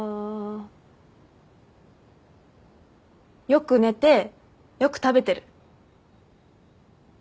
よく寝てよく食べてる。